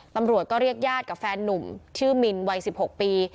ตำรวจก็เรียกญาติกับแฟนนุ่มชื่อมินวัย๑๖ปี